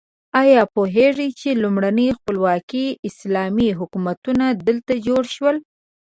ایا پوهیږئ چې لومړني خپلواکي اسلامي حکومتونه دلته جوړ شول؟